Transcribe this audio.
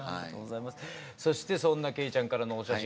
そしてそんな惠ちゃんからのお写真